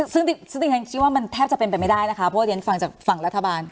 ซึ่งที่ฉันคิดว่ามันแทบจะเป็นไปไม่ได้นะคะเพราะว่าเรียนฟังจากฝั่งรัฐบาล